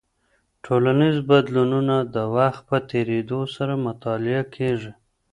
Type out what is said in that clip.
ټولنیز بدلونونه د وخت په تېرېدو سره مطالعه کیږي.